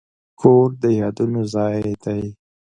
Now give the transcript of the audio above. کور د یادونو ځای دی.